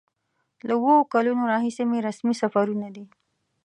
له اوو کلونو راهیسې مې رسمي سفرونه دي.